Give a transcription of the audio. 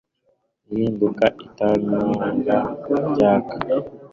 Ihinduka itanura ryaka